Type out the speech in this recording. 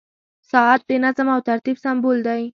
• ساعت د نظم او ترتیب سمبول دی.